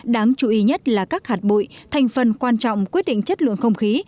đáng chú ý nhất là các hạt bụi thành phần quan trọng quyết định chất lượng không khí